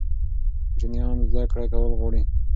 کوچنیان زده کړه کول غواړي.